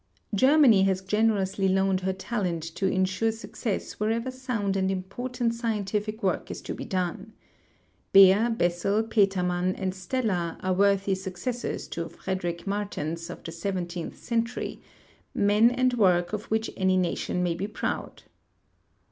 Germany has generously loaned her talent to insure success Avherever sound and important scientific work is to be done. Baer, Bessell, Petermann, and Steller are Avortny successors to Frederick Martens, of the seventeenth century — men and Avork of Avhich any nation may be proud.